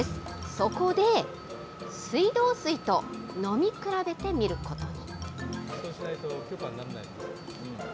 そこで、水道水と飲み比べてみることに。